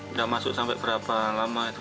udah masuk sampai berapa lama itu